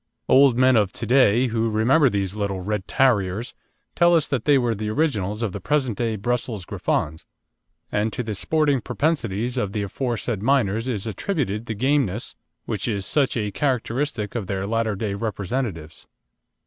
Old men of to day who remember these little "red tarriers" tell us that they were the originals of the present day Brussels Griffons, and to the sporting propensities of the aforesaid miners is attributed the gameness which is such a characteristic of their latter day representatives.